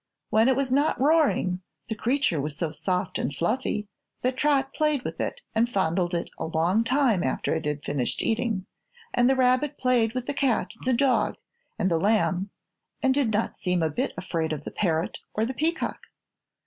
When it was not roaring the creature was so soft and fluffy that Trot played with it and fondled it a long time after it had finished eating, and the rabbit played with the cat and the dog and the lamb and did not seem a bit afraid of the parrot or the peacock.